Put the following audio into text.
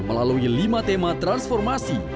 melalui lima tema transformasi